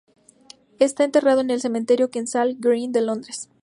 Está enterrado en el cementerio Kensal Green de Londres.